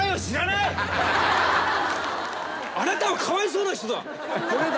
あなたはかわいそうな人だ。